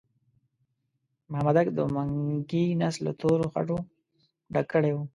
مامدک د منګي نس له تورو خټو ډک کړی وو.